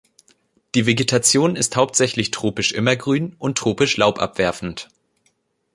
Die Vegetation ist hauptsächlich tropisch immergrün und tropisch laubabwerfend.